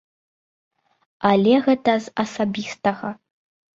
Але гэта з асабістага.